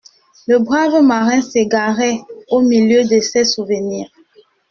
Le brave marin s'égarait au milieu de ses souvenirs.